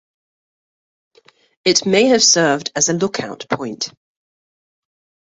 It may have served as a look-out point.